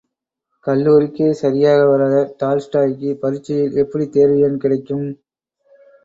கல்லூரிக்கே சரியாக வராத டால்ஸ்டாயிக்கு பரீட்சையில் எப்படித் தேர்வு எண் கிடைக்கும்?